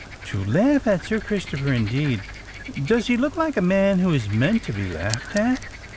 To laugh at Sir Christopher, indeed! Does he look like a man who is meant to be laughed at?"